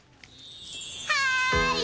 はい！